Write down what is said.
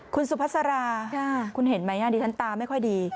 คุณสุภาษาราคุณเห็นไหมดิฉันตาไม่ค่อยดี